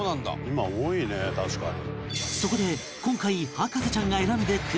「今多いね確かに」